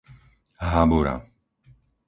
Habura